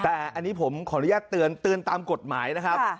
แต่อันนี้ผมขออนุญาตเตือนตามกฎหมายนะครับ